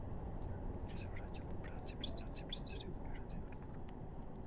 Poté se vrátil k práci předsedy Ústřední rady odborů.